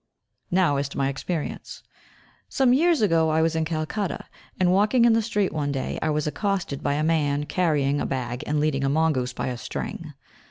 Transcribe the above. Now as to my experience. Some years ago I was in Calcutta, and, walking in the street one day, I was accosted by a man carrying a bag and leading a mongoose by a string.